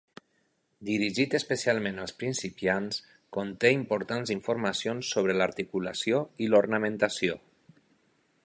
Dirigit especialment als principiants, conté importants informacions sobre l'articulació i l'ornamentació.